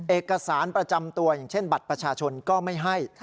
เอกสารประจำตัวอย่างเช่นบัตรประชาชนก็ไม่ให้